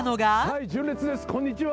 はい純烈ですこんにちは。